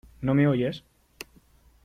¿ no me oyes ?